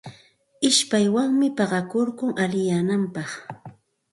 Ishpaywanmi paqakurkun allinyananpaq.